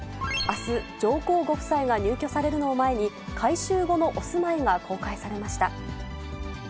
あす、上皇ご夫妻が入居されるのを前に、改修後のお住まいが公開されました。